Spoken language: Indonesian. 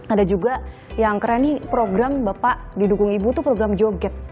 ada juga yang keren nih program bapak didukung ibu tuh program joget